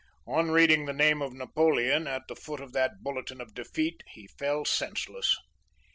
On reading the name of Napoleon at the foot of that bulletin of defeat he fell senseless.